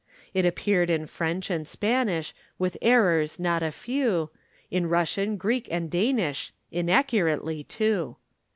It appeared in French and Spanish With errors not a few, In Russian, Greek and Danish, Inaccurately, too.